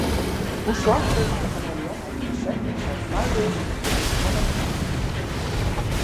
Hoe slagget it de kameleon om ynsekten sa feilleas mei syn tonge te pakken?